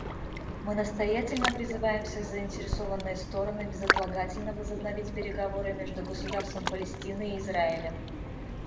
Мы настоятельно призываем все заинтересованные стороны безотлагательно возобновить переговоры между Государством Палестина и Израилем.